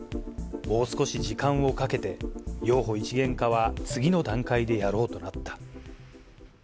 もう少し時間をかけて、幼保一元化は次の段階でやろうとなった。